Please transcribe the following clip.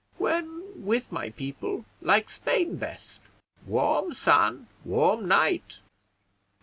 "When with my people, like Spain best; warm sun warm night.